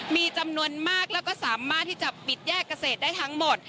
มีจำนวนมากแล้วก็สามารถที่จะปิดแยกเกษตรได้ทั้งหมด